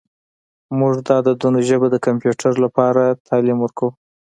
موږ د عددونو ژبه د کمپیوټر لپاره تعلیم ورکوو.